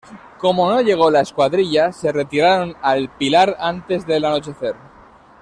Como no llegó la escuadrilla se retiraron a El Pilar antes del anochecer.